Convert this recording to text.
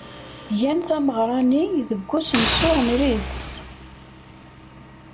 Gan tameɣra-nni deg usensu n Ritz.